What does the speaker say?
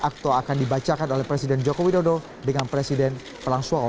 atau akan dibacakan oleh presiden joko widodo dengan presiden fransua olom